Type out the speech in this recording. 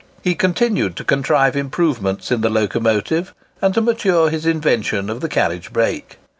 He continued to contrive improvements in the locomotive, and to mature his invention of the carriage brake.